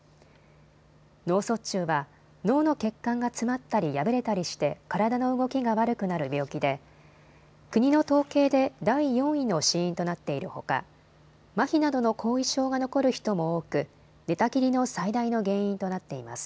脳卒中は脳の血管が詰まったり破れたりして体の動きが悪くなる病気で国の統計で第４位の死因となっているほかまひなどの後遺症が残る人も多く寝たきりの最大の原因となっています。